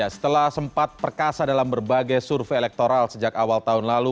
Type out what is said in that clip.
setelah sempat perkasa dalam berbagai survei elektoral sejak awal tahun lalu